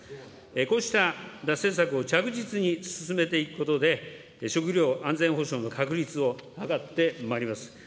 こうした政策を着実に進めていくことで、食料安全保障の確立を図ってまいります。